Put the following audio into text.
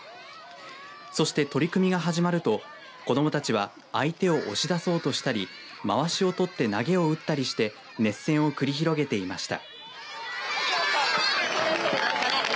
そして取り組みが始まると子どもたちは相手を押し出そうとしたりまわしを取って投げを打ったりして熱戦を繰り広げていました。